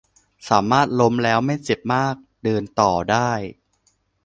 สามารถล้มแล้วไม่เจ็บมาก เดินต่อได้